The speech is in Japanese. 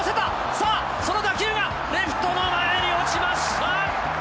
さあ、その打球がレフト前に落ちました！